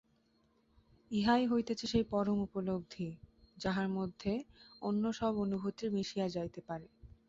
ইহাই হইতেছে সেই পরম উপলব্ধি, যাহার মধ্যে অন্য সব অনুভূতি মিশিয়া যাইতে পারে।